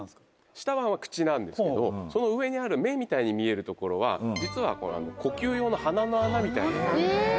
下は口なんですけどその上にある目みたいに見えるところは実はこれ呼吸用の鼻の穴みたいなものですね